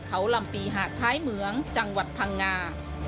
เขาลำปีหาดท้ายเหมืองจังหวัดพังงา